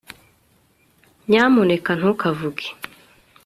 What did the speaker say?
nyamuneka ntukavuge